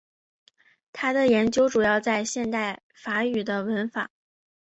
他的研究主要在现代法语的文法。